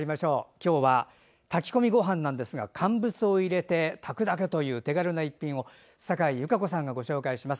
今日は炊き込みご飯なんですが乾物を入れて炊くだけという料理をサカイ優佳子さんがご紹介します。